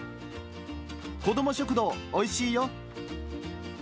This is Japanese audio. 子ども食堂、おいしいよ！